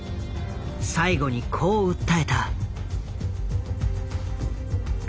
最後にこう訴えた。